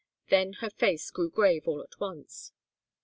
Then her face grew grave all at once.